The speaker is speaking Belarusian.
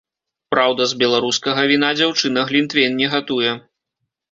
Праўда, з беларускага віна дзяўчына глінтвейн не гатуе.